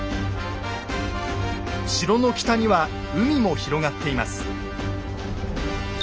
城の北には海も広がっています。